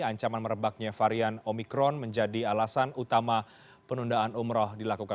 ancaman merebaknya varian omikron menjadi alasan utama penundaan umroh dilakukan